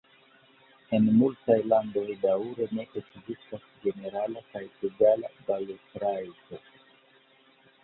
En multaj landoj daŭre ne ekzistas ĝenerala kaj egala balotrajto.